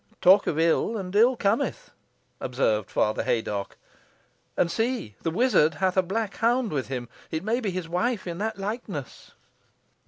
"Talk of ill, and ill cometh," observed Father Haydocke. "And see, the wizard hath a black hound with him! It may be his wife, in that likeness."